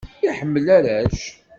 Iḥemmel arrac.